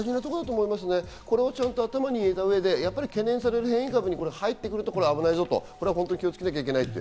これを頭に入れた上で、懸念される変異株に入ってくると危ないぞと気をつけなきゃいけない。